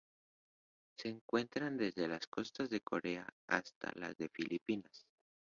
Se encuentra desde las costas de Corea hasta las de Filipinas.